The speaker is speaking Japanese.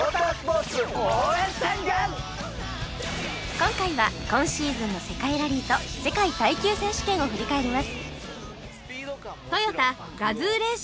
今回は今シーズンの世界ラリーと世界耐久選手権を振り返ります